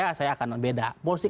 saya saya akan beda